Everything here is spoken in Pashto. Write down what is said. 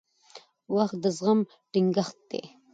• وخت د عزم ټینګښت دی.